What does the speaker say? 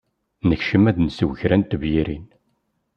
Nekcem ad d-nsew kra n tebyirin.